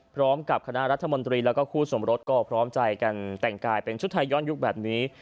คณะรัฐมนตรีแล้วก็คู่สมรสก็พร้อมใจกันแต่งกายเป็นชุดไทยย้อนยุคแบบนี้